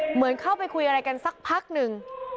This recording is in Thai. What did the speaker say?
เหมือนเข้าไปคุยอะไรกันสักพักหนึ่ง